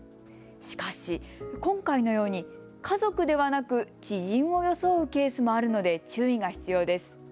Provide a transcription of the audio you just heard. しかし今回のように家族ではなく知人を装うケースもあるので注意が必要です。